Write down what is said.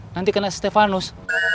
nanti kena stefanus